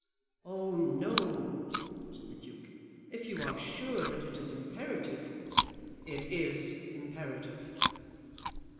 "Oh, no!" said the Duke. "If you are sure that it is imperative " "It is imperative."